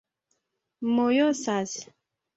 mojosas